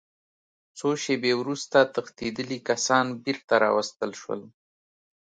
څو شېبې وروسته تښتېدلي کسان بېرته راوستل شول